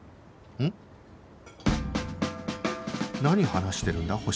何話してるんだ？